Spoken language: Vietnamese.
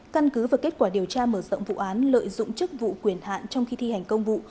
căn cứ và kết quả điều tra mở rộng vụ án lợi dụng chức vụ quyền hạn trong khi thi hành công vụ